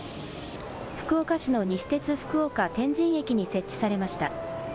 福岡市の西鉄福岡天神駅に設置されました。